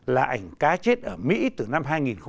là ảnh cá chết ở mỹ từ năm hai nghìn một mươi